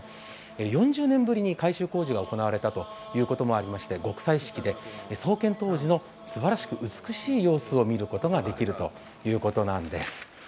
４０年ぶりに改修工事が行われたということもありまして、極彩色で創建当時のすばらしく美しい様子を見ることができるということなんです。